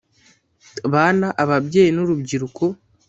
bana ababyeyi n urubyiruko